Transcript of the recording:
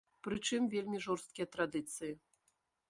Прычым вельмі жорсткія традыцыі.